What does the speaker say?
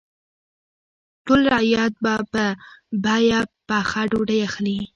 ټول رعیت به په بیه پخه ډوډۍ اخلي.